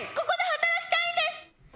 ここで働きたいんです！